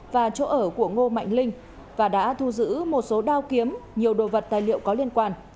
và chỗ ở của ngô mạnh linh và đã thu giữ một số đao kiếm nhiều đồ vật tài liệu có liên quan